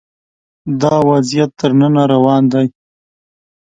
دا وضعیت تر ننه روان دی